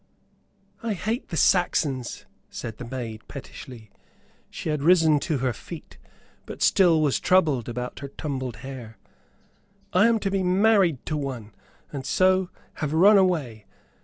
"I hate the Saxons," said the maid, pettishly. She had risen to her feet, but still was troubled about her tumbled hair. "I am to be married to one, and so have run away.